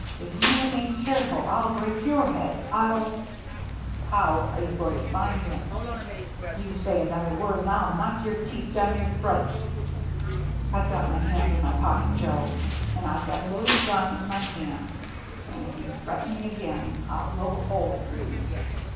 If you ain't careful, I'll break your head. I'll —"" How are you going to find him ?"" You say another word, and I'll knock your teeth down your throat." " I've got my hand in my pocket, Joe, and I've got a loaded gun in my hand, and if you threaten me again, I'll blow a hole through you.